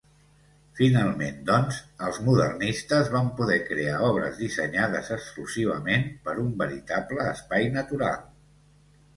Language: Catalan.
Finalment, doncs, els modernistes van poder crear obres dissenyades exclusivament per un veritable espai natural.